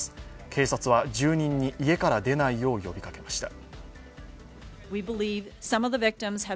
警察は住人に家から出ないよう呼びかけました。